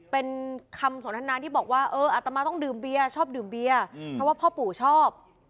เป็นคำสนทนาที่บอกว่าเอออัตมาต้องดื่มเบียร์ชอบดื่มเบียร์เพราะว่าพ่อปู่ชอบ